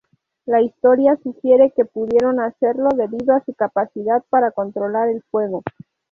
La historia sugiere que pudieron hacerlo debido a su capacidad para controlar el fuego.